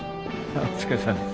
お疲れさまです。